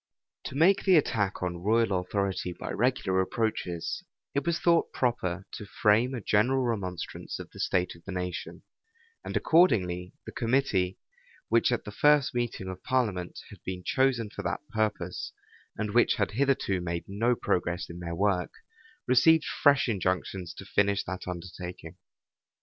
To make the attack on royal authority by regular approaches, it was thought proper to frame a general remonstrance of the state of the nation; and accordingly the committee, which at the first meeting of parliament had been chosen for that purpose, and which had hitherto made no progress in their work, received fresh injunctions to finish that undertaking.